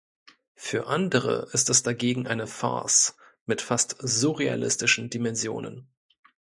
Für andere ist es dagegen eine Farce mit fast surrealistischen Dimensionen.